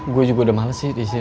gue juga udah males sih di sini